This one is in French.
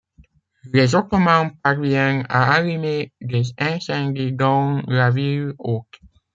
Les Ottomans parviennent à allumer des incendies dans la ville haute.